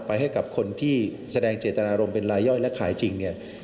ให้กับคนที่แสดงเจตนารมณ์เป็นรายย่อยและขายจริงเนี่ย